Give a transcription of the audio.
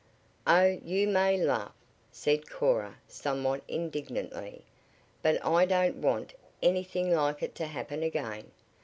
"Oh, you may laugh," said Cora somewhat indignantly, "but I don't want anything like it to happen again.